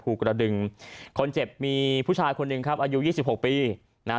กระดึงคนเจ็บมีผู้ชายคนหนึ่งครับอายุยี่สิบหกปีนะฮะ